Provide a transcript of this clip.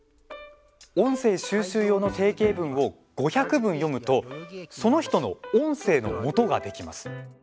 音声収集用の定型文を５００文読むとその人の音声のもとができます。